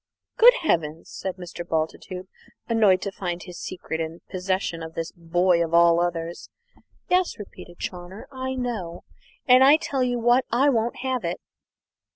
"Good heavens!" said Mr. Bultitude, annoyed to find his secret in possession of this boy of all others. "Yes," repeated Chawner. "I know, and I tell you what I won't have it!"